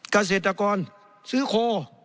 เกษตรกรซื้อโค